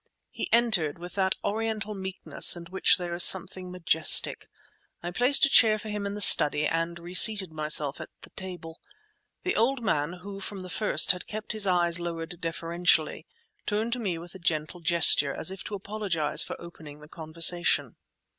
He entered, with that Oriental meekness in which there is something majestic. I placed a chair for him in the study, and reseated myself at the table. The old man, who from the first had kept his eyes lowered deferentially, turned to me with a gentle gesture, as if to apologize for opening the conversation.